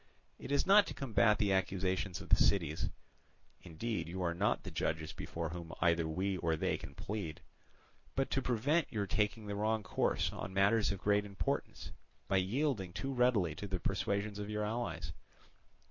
It is not to combat the accusations of the cities (indeed you are not the judges before whom either we or they can plead), but to prevent your taking the wrong course on matters of great importance by yielding too readily to the persuasions of your allies.